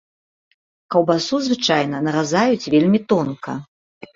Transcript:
Каўбасу звычайна наразаюць вельмі тонка.